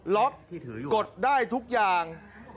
ล็อกกดได้ทุกอย่าง